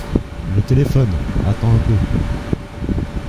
Le téléphone ! attends un peu…